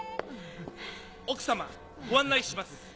奥様ご案内します。